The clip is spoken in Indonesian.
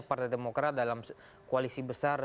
partai demokrat dalam koalisi besar